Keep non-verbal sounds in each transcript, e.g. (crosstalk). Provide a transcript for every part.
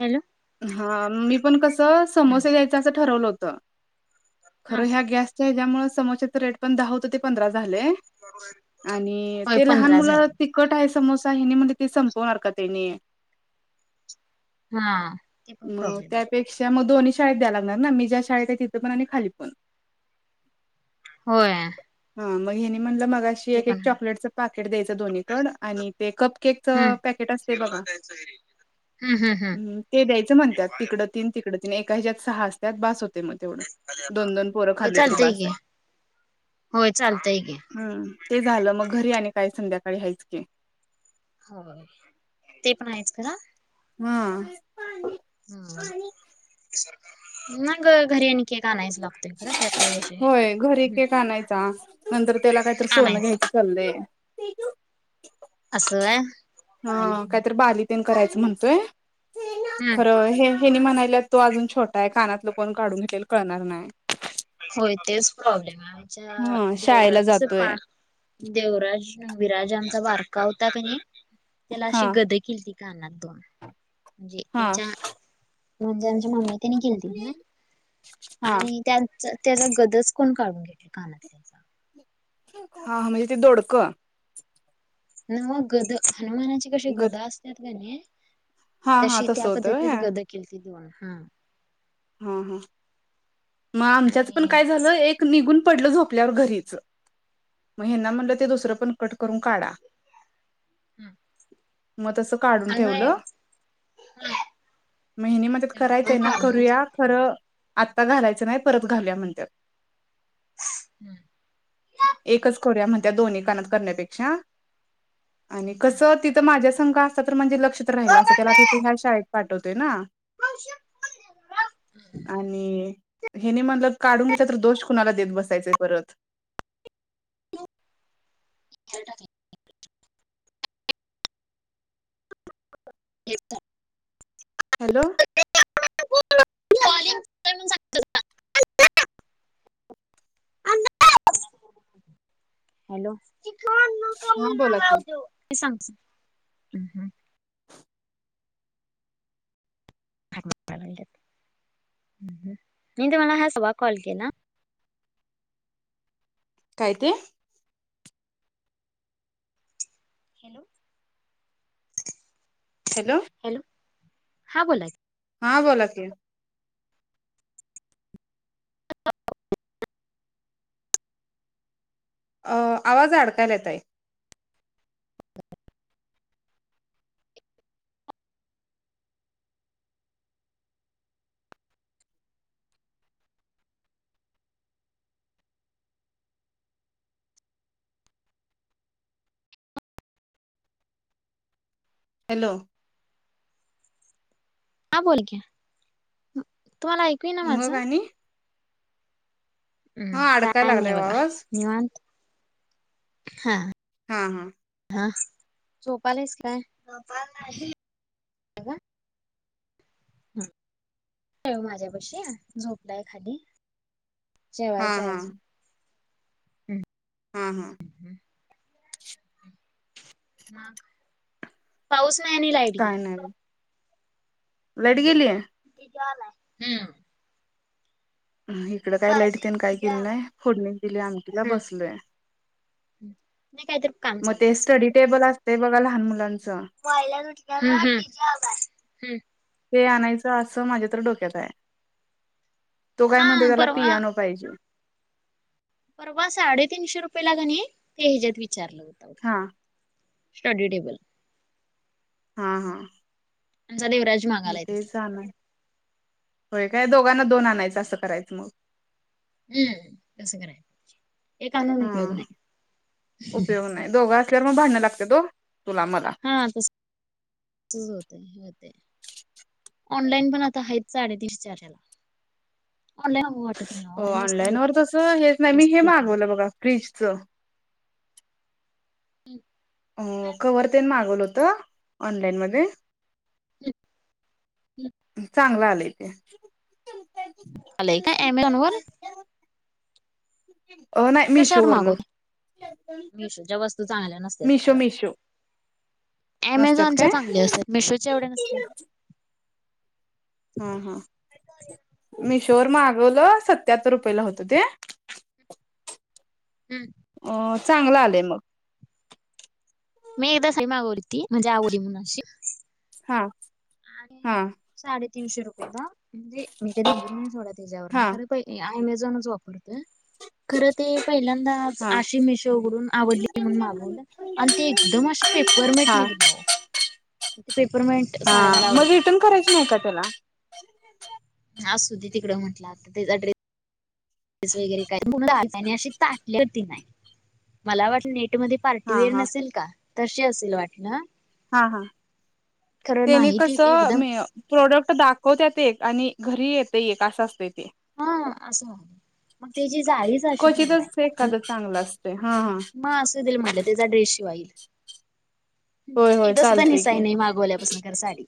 Hello. हा मी पण कसं समोसे द्यायच असं ठरवलं होतं, हा खरं ह्या गॅस. तेच्या मुळं समोस्याच रेट पण, दहा होतं ते पंधरा झालाय. आणि होय ते लहान पंधरा मुलाला झाले तिखट आहे, समोसा हेनी म्हणजे ते संपवणार का त्यांनी. हां. म त्यापेक्षा मग दोन्ही शाळेत द्याय लागणार ना, मी ज्या शाळेत आहे तिथं पण आणि खाली पण. होय. हा. मग हेनी म्हटलं मगाशी. ते एक एक पण ह चॉकलेट चं पाॅकेट द्यायचं, दोन्हीकडं आणि ते कपकेक च हम्म पॅकेट असते बघा. (unintelligible) हम्म हम्म हम् ते द्यायचं म्हणतात तिकडं तीन, तिकडं तीन एका ह्याच्या्यात सहा असत्या बास होत मग तेवढं दोन दोन पोरं होय खाल्ली, तरी चालतय बास की आहे. होय चालतंय कि, हम्म.. ते झालं मग घरी आणि, काय संध्याकाळी ह्यायच की. ते पण आहेच खरं हम्. (unintelligible) घरी आणि, केक आणायच लागतोय खरं त्यात काय विषय होय. घरी केक आणायचा, नंतर त्याला काहीतरी सोनं आणायच घ्यायचं. चललंय असं व्हयं. हा कायतरी बाली तेन करायचं म्हणतोय खरं हे हेनी म्हणायला तो अजून छोटा आहे कानातलं कोण काढून घेल कळणार नाही होय तेच प्रॉब्लेम आहे, आमच्या हा शाळेला देवराच जातोय पा देवराज विराज आमचा बारका होता कणी, तिला हा अशी गदे. किलती का अना दोन म्हणजे हा त्यांच्या म्हणजे, आमच्या मम्मी तेनी केेलेती ना. हा. आणि, त्या त्याचा गदच कोण काढून घेतला कानातल्याचा हा म्हणजे, ते दोडकं. नव गद हनुमानाची कशी, ग गदा असतात कणी. हा हा तशी त्या तसं होतं व्हय पद्धतीत, गद हा केली त दोन हं. हा हा. मग आमच्याच पण आणि काय झालं एक. ते निघून पडलं झोपल्यावर घरीच मग हेन्ना म्हणलं ते दुसरं पण कट करून काढा मग तसं काढून ठेवलं मग हेनी म्हणत्यात, करायचंय ना करूया. खरं आता घालायचं नाही, परत घालूया म्हणत्यात. हम्म. एकच करूया म्हणत दोन्ही कानात करण्यापेक्षा आणि कसं तिथं माझ्याच तिथून कोण तर असत तर म्हणजे, लक्ष तर राहिलं असतं त्याला तिथे ह्या, शाळेत पाठवतोय ना. (unintelligible) आणि हेनी म्हणल काढून घेतलं, तर दोष कुणाला देत बसायचे परत. खाली टाकीन. येत. Hello (unintelligible) hello. हा. बोला की, (unintelligible) हम्म हम्म. मी तूम्हाला हा सहज कॉल केला. काय ते? हॅलो हॅलो हॅलो हां बोला हा बोला कि अ आवाज अडकायलाय ताई. हॅलो हा बोल की. तुम्हाला ऐक मग आणी हम्म हा काय अडकायला नाही लागलाय ओ बघा आवाज निवांत हा. हा हा हा झोपालायस काय? ह माझ्या पशी झोपलाय खाली हा जेवायच आहे हा अजून. हा हा मग पाऊस नाही आणि लाईट काय गेली. नाही बघ. लाईट गेली आहे. ती जालय इकडं काय लाईट तेन काय गेली नाही, फोडणीच दिल्या आमटीला बसलोय. नाही काहीत काम मग झालं. ते स्टडी टेबल असत बघा लहान मुलांच. हम्म हम्म, हम्म हम्म. ते आणायचं असं माझ्या तर डोक्यात आहे. तो काय हा म्हणतो त्याला परवा पियानो. पाहिजे. परवा साडेतीनशे रुपयेला कनई ते ह्याच्यात विचारलं होतं. बघा हा स्टडी टेबल हा हा आमचा देवराज म मागालाय तेच तसलं आण होय का दोघांना दोन आणायचं असं करायचं मग. हम्म तसं करायच एक आनून हा उपयोग नाही. म भांडण लागत हो तुला मला. हा तसंच होतंय होतंय. ऑनलाइन पण आता आहेत साडेतीनशेला चारषेला ऑनलाईन वाट हो ऑनलाईन वर तस हे नाही मी हे व्यवस्थित येत नाहीत. मागवलं बघा फ्रीजच. हम्म अ कवर तेन मागवलं होत ऑनलाईन मध्ये. हं, हं. चांगलं आलंय ते. आलं का अमेझॉन वर. अ नाही मिशो कशावर वरण. मागवत मिशोच्या वस्तू चांगल्या नसतात मिशो खरं मिशो. नसत्यात अमेझॉनच्या काय चांगल्या असतात मिशोच्या एवढ्या नसतात. हा हा मिशोवर मागवलं सत्याहत्तर रुपयेला होतं ते हम्म. अ चांगला आलंय मग मी एकदा सही मागवलती म्हणजे आवडली म्हणून अशी. हा आणि हा साडेतीनशे रुपयेला म्हणजे मी कधी नाही सोडा हा त्याच्यावरन खरं होय मी अमेझॉनच वापरतोय खर ते पहिल्यांदा. हा आशी मिशो उघडून आवडली म्हणून मागवलं आणि ते एकदम असशी पेपरमेट हा निघली आओ. पेपरमेंट हा साडया मला आ मग रिटर्न करायची नाही का त्याला? (unintelligible) असुदे तिकडे म्हटलं तेजा ड्रेट ता नाही मला वाटल नेटमध्ये. हा पार्टीवेअर हा नसेल का? तशी असल वाटलं. हा हा, खरं तेनी नाही ती कसं एकदम मे प्रोडक्ट दाखवतत एक आणि घरी येत एक असं असत ते. हा अस मग तेजी जाळीच अशी पूर्ण हाय, क्वचितच मग एखादं चांगलं असतंय हा हा मग असू दे म्हणलं. चा ड्रेस शिवाईल होय होय एकदा सुद्धा चालतंय की निसाय नाही मागवल्यापासून खर साडी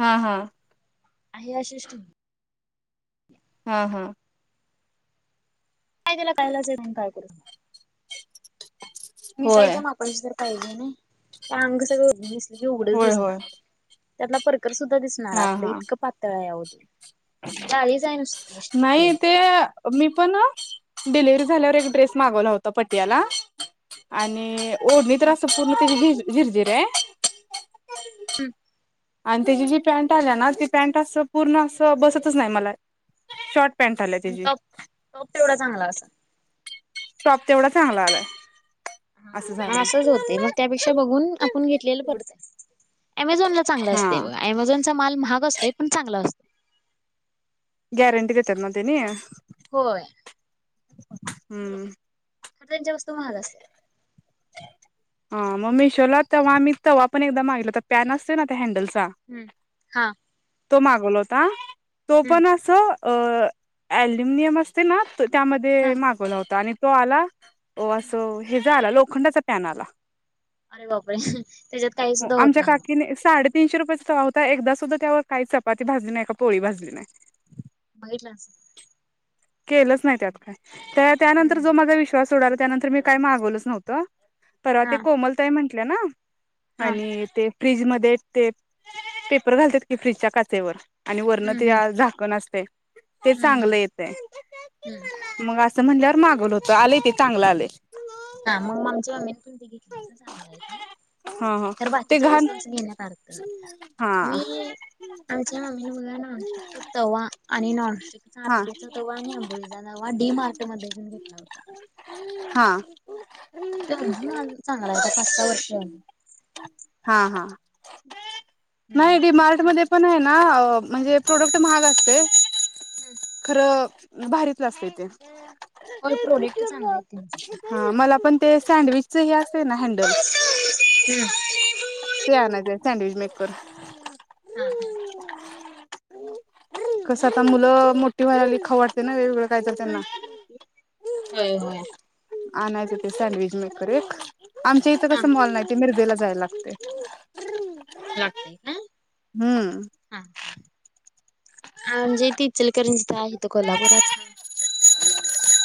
हा हा आहे अशीच ठेव. हा हा का त्याला पहिलाचंण काय करू. होय नेसायच्या मापाची तर पाहिजे ना ते अंग सगळं उघडच होय होय दिसणार. त्यातला परकर सुद्धा दिसणार हा आतलं हा इतकं पातळ या अवदी जाळीच आहे अशी नुसती नाही प्लेन. ते मी पण डिलिवरी झाल्यावर एक ड्रेस मागवला होता पटियाला आणि ओढणी तर असं पूर्ण झिरझिर आहे. हम्म आणि त्याची जी पॅन्ट आली ना ती पँट असं पूर्ण असं बसतच नाही मला शॉर्ट पॅन्ट आल्या आणि त्याची टॉप टॉप तेवढा चांगला असल. टॉप तेवढा चांगला आलाय. असं हा झालं असंच होतंय मग त्यापेक्षा बघून आपण घेतलेलं परवडत आहे ॲमेझॉन ला चांगलं हा असते अमेझनचा माल महाग असतो पण चांगला असतो. गॅरंटी देत्यात नव्ह त्यांनी? होय. हम्म. खर त्यांच्या वस्तू महाग असते हा मग मिशोला तेव्हा आम्ही तेव्हा पण एकदा मागितला तर पॅन असत ना त्या हँडलचा. हम्म हा तो मागवला होता तो हम्म पण अस अल्युमिनियम असं ना हा त्यामध्ये मागवला होता आणि तो आला अस हे ज आला लोक होंडाचा फॅन आला. अरे बापरे त्याच्यात काही हो सुद्धा होत आमच्या नाही मग काकीने साडे तीनशे रुपये याचा तवा एकदा सुद्धा त्यावर चपाती कपोळी भाजली नाही. बघितलंस? केलंच नाही त्यात काय त्या त्यानंतर हम्म जो माझा विश्वास उडाला त्यानंतर मी काय मागवलंच नव्हतं. तर ते हा कोमल ताई म्हटल्या ना हा आणि ते फ्रीजमध्ये ते पेपर घालतात की फ्रीजच्या काचेवर. आणि वर्ण हम्म ते हम्म झाकण असते ते हम्म हम्म चांगलं येते. हम्म मग असं म्हणल्यावर मागवलं होत, आलय ते चांगलं आलय. हा मग आमच्या मम्मीने पण ते घेतलं होत तर चांगला आहे तेे. हा हा तर ते बाकीच्या घाण वस्तूच घेण्यात (unintelligible) नाही अडकत. हा. मी आमच्या ममीने बघा नॉनस्टिकचा तवा आणि नॉनस्टिकचा हा अप्पेचा तवा आणि आंबोळीचा तवा डी मार्ट मध्ये घेऊन घेतला होता. हा. ते अजून आज चांगला होता पाच, सहा वर्ष. हा हा. हम्म नाही खरं डिमार्टमध्ये चांगला पण आहे ना म्हणजे प्रोडक्ट महाग असतय. हम्म. खरं भारीतलं असतंय ते. होय प्रोडक्ट चांगला आहे त्यांचं हा मला पण ते सँडविचच है असते ना हँडल. हम्म. आणायचा आहे सँडविच मेकर हा हा.. कस आता मुलं मोठी व्हायला लागली खाऊ वाट ते ना वेगवेगळं कायतर हा त्यांना. होय होय आणायचं ते सँडविच मेकर एक. आमच्या इथं हा कसं मॉल नाही, ते मिरजेला जायला लागतंय. लागतंय काय? हम्म. हा हा. म्हणजे इथं इचलकरंजीत हाय, इथं कोल्हापुरात हाय.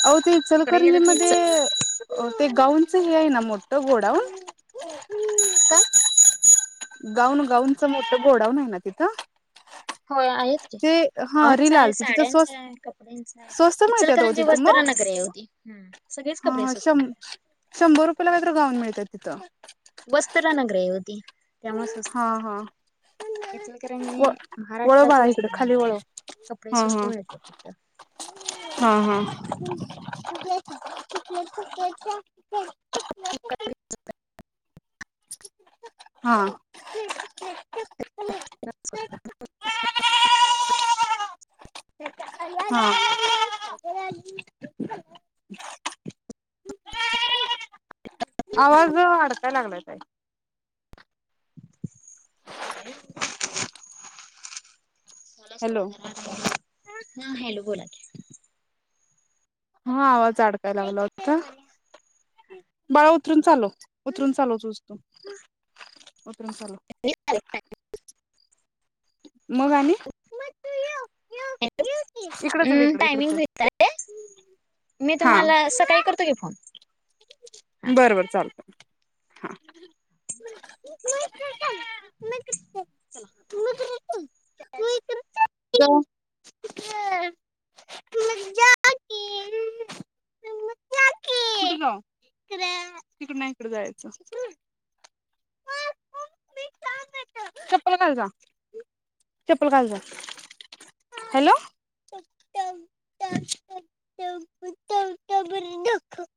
अहो ते तिकडे गेलो की इच इचलकरंजीमध्ये अं ते गाऊनचं हे आहे ना मोठं गोडाऊन? काय? गाऊन गाऊनच मोठं गोडाऊन आहे ना तिथं? होय आहेत. ते हा गाऊनचा रील आहे, आलती तिथं स्वस् साड्यांचा आहे, कपड्यांचा आहे. स्वस्त मिळत्यात ओ इचलकरांची तिथं वस्त्र मग नगरी आहे ओ ती हम्म. सगळेच हा कपडे हा स्वस्त शं मिळतात. शंभर रुपये ला काहीतर गाऊन मिळतात तिथं. बस्तरानगर आहे ओ होती. त्यामुळेच हा तसंच हा इचलकरंजी व वळव महाराष्ट्राची बाळा इकडं वस्त्र खाली नगरी आहे. वळव कपडे हा स्वस्त मिळत्यात तिथं. हा हा (unintelligible) (unintelligible) हा. (unintelligible) ह (inaudible) (inaudible) हा आवाज अडका लागलाय ताई. अ सोडा सोडा हॅलो झाला. हा हॅलो बोला की. हा आवाज अडकाय लागला होता. बाळा उतरून चालव. उतरून चालव तुझं तू उतरून चालव. (unintelligible) मग आणि? हॅलो इकडं चल हंम इकडं इकडं टायमिंग चल होत आलंय मी तुम्हाला सकाळी करतो की फोन. हा बर बर चालतय हा. (unintelligible) चला. हॅलो. तिकड नाही इकडं जायचं. चप्पल घाल जा, चप्पल घाल जा. हॅलो (unintelligible)